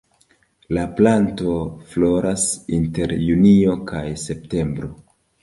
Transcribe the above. La planto floras inter junio kaj septembro.